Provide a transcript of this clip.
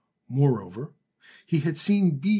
Moreover, he had seen B.